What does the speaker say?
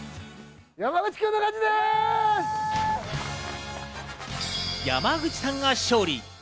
山口さんが勝利。